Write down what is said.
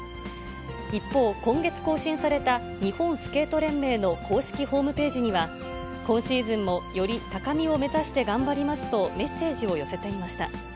一方、今月更新された日本スケート連盟の公式ホームページには、今シーズンもより高みを目指して頑張りますとメッセージを寄せていました。